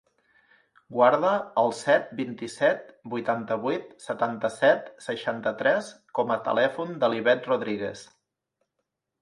Guarda el set, vint-i-set, vuitanta-vuit, setanta-set, seixanta-tres com a telèfon de l'Ivette Rodrigues.